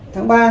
bảy tháng ba